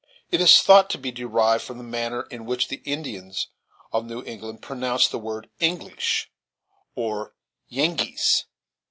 It is thought to be derived from the manner in which the Indians of New England pronounced the word "English," or "Yengeese."